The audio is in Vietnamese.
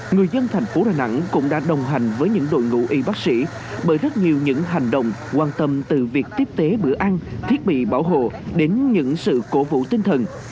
người dân thành phố đà nẵng cũng đã đồng hành với những đội ngũ y bác sĩ bởi rất nhiều những hành động quan tâm từ việc tiếp tế bữa ăn thiết bị bảo hộ đến những sự cổ vũ tinh thần